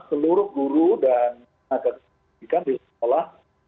seluruh guru dan tenaga kesehatan di sekolah